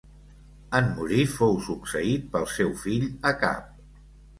En morir fou succeït pel seu fill Acab.